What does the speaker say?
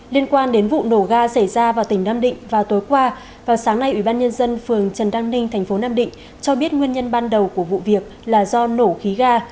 liên quan đến vụ nổ ga xảy ra vào tỉnh nam định vào tối qua vào sáng nay ủy ban nhân dân phường trần đăng ninh thành phố nam định cho biết nguyên nhân ban đầu của vụ việc là do nổ khí ga